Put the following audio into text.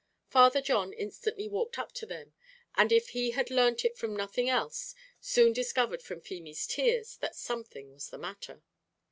Father John instantly walked up to them, and if he had learnt it from nothing else, soon discovered from Feemy's tears, that something was the matter.